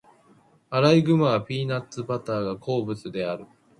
アライグマはピーナッツバターが好物である。